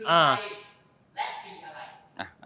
อ่า